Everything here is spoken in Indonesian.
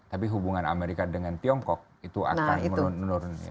tapi hubungan amerika dengan tiongkok itu akan menurun